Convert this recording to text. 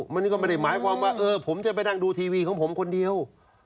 มันก็ไม่ได้หมายความว่าผมจะไปนั่งดูทีวีของผมคนเดียว